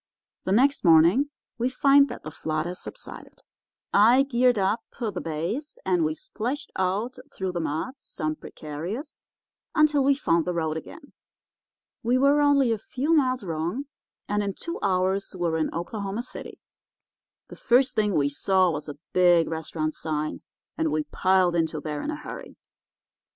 "The next morning we find that the flood has subsided. I geared up the bays, and we splashed out through the mud, some precarious, until we found the road again. We were only a few miles wrong, and in two hours we were in Oklahoma City. The first thing we saw was a big restaurant sign, and we piled into there in a hurry.